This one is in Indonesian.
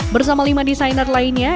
bersama lima desainer lainnya